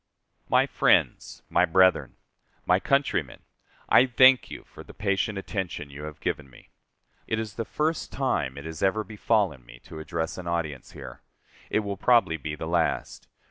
My friends, my brethren, my countrymen, I thank you for the patient attention you have given me. It is the first time it has ever befallen me to address an audience here. It will probably be the last.